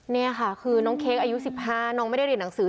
นี่ค่ะคือน้องเค้กอายุ๑๕น้องไม่ได้เรียนหนังสือ